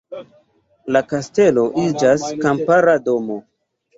La kastelo iĝas kampara domo.